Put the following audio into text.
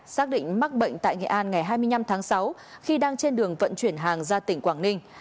xác định mắc bệnh tại nghệ an ngày hai mươi năm tháng sáu khi đang trên đường vận chuyển hàng ra tỉnh quảng ninh